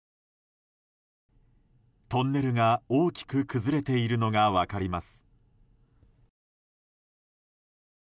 トンネルが大きく崩れているのが分かります。